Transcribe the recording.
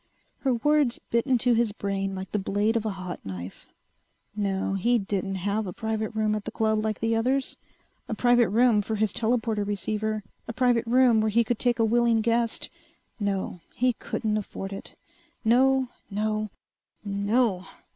Her words bit into his brain like the blade of a hot knife. No, he didn't have a private room at the club like the others. A private room for his telporter receiver, a private room where he could take a willing guest. No! He couldn't afford it! No! No! NO!